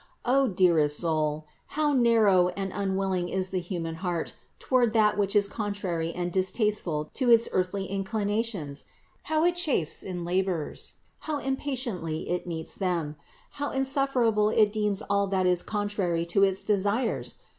O dearest soul! How narrow and unwilling is the human heart toward that which is contrary and distasteful to its earthly THE INCARNATION 513 inclinations ! How it chafes in labors ! How impatiently it meets them! How insufferable it deems all that is contrary to its desires